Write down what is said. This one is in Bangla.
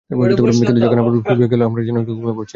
কিন্তু যখন হামবুর্গ ফ্রি কিক পেল আমরা যেন একটু ঘুমিয়ে পড়েছিলাম।